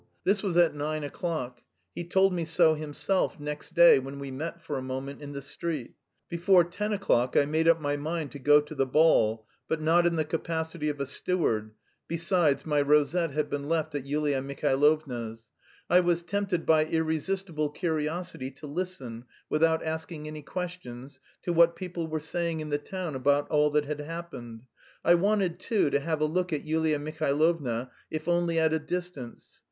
This was at nine o'clock. He told me so himself next day when we met for a moment in the street. Before ten o'clock I made up my mind to go to the ball, but not in the capacity of a steward (besides my rosette had been left at Yulia Mihailovna's). I was tempted by irresistible curiosity to listen, without asking any questions, to what people were saying in the town about all that had happened. I wanted, too, to have a look at Yulia Mihailovna, if only at a distance.